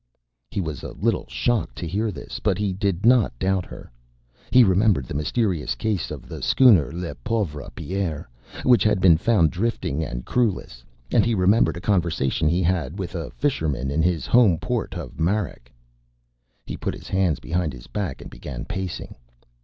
He was a little shocked to hear this, but he did not doubt her. He remembered the mysterious case of the schooner Le Pauvre Pierre which had been found drifting and crewless, and he remembered a conversation he had had with a fisherman in his home port of Marrec. He put his hands behind his back and began pacing.